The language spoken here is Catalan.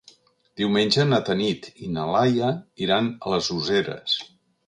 Diumenge na Tanit i na Laia iran a les Useres.